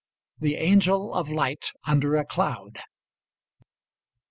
THE ANGEL OF LIGHT UNDER A CLOUD.